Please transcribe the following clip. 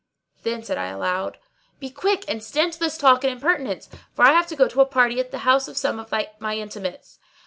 Then said I aloud, "Be quick and stint this talk and impertinence, for I have to go to a party at the house of some of my intimates."